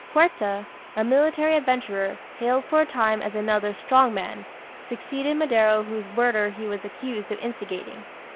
Huerta, a military adventurer, hailed for a time as another "strong man," succeeded Madero whose murder he was accused of instigating.